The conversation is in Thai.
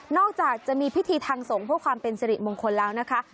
จากจะมีพิธีทางสงฆ์เพื่อความเป็นสิริมงคลแล้วนะคะ